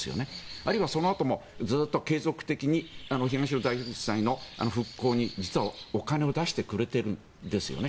あるいはそのあともずっと継続的に東日本大震災の復興に実はお金を出してくれているんですよね。